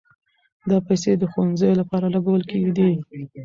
دا پيسې د ښوونځيو لپاره لګول کېدې.